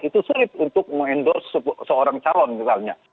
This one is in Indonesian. itu sulit untuk mengendorse seorang calon misalnya